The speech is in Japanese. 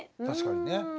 確かにね。